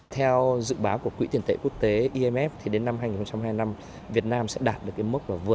theo dự báo của quỹ tiền tệ quốc tế